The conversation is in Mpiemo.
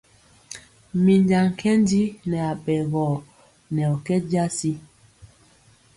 Minja nkɛnji nɛ aɓɛgɔ nɛ ɔ kɛ jasi.